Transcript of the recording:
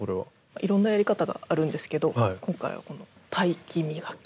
いろんなやり方があるんですけど今回はこのタイキミガキ。